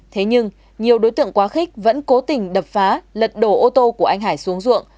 thế nhưng nhiều đối tượng quá khích vẫn cố tình đập phá lật đổ ô tô của anh hải xuống ruộng